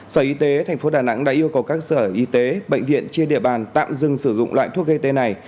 sở y tế tp đà nẵng đã yêu cầu các sở y tế bệnh viện trên địa bàn tạm dừng sử dụng loại thuốc gây tê này